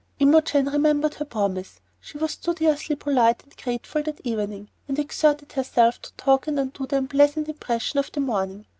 Imogen remembered her promise. She was studiously polite and grateful that evening, and exerted herself to talk and undo the unpleasant impression of the morning.